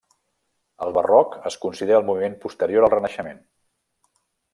El Barroc es considera el moviment posterior al Renaixement.